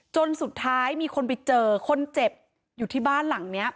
จนสุดท้ายมีคนไปเจอคนเจ็บอยู่ที่บ้านหลังนี้